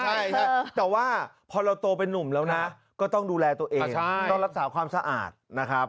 ใช่แต่ว่าพอเราโตเป็นนุ่มแล้วนะก็ต้องดูแลตัวเองต้องรักษาความสะอาดนะครับ